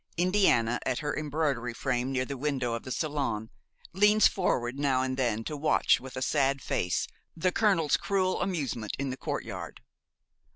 Indiana, at her embroidery frame near the window of the salon, leans forward now and then to watch with a sad face the colonel's cruel amusement in the courtyard.